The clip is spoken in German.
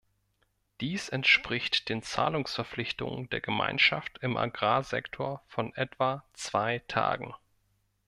Dies entspricht den Zahlungsverpflichtungen der Gemeinschaft im Agrarsektor von etwa zwei Tagen.